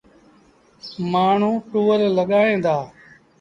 مآڻهوٚݩ ٽوئيل لڳائيٚݩ دآ۔